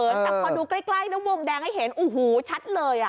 แต่พอดูใกล้แล้ววงแดงให้เห็นโอ้โหชัดเลย